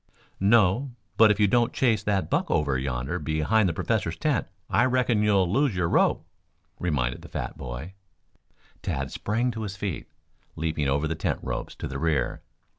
"No, but if you don't chase that buck over yonder behind the Professor's tent, I reckon you'll lose your rope," reminded the fat boy. Tad sprang to his feet, leaping over the tent ropes to the rear.